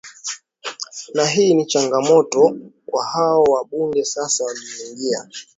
na hii ni changamoto kwa hao wabunge sasa walioingia